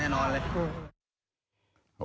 แน่นอนเลย